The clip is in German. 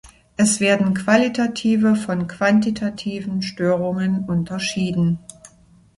Es werden qualitative von quantitativen Störungen unterschieden.